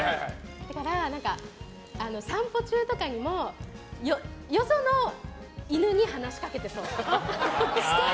だから、散歩中とかにもよその犬に話しかけてそう。